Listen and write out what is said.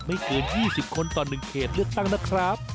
เกิน๒๐คนต่อ๑เขตเลือกตั้งนะครับ